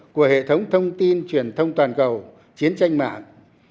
của hệ thống thông tin truyền thông toàn cầu chiến tranh mạng